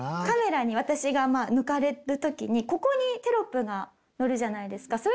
カメラに私が抜かれる時にここにテロップがのるじゃないですか。